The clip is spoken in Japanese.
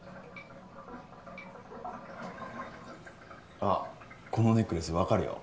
あっこのネックレス分かるよ。